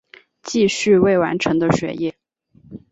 继续未完成的学业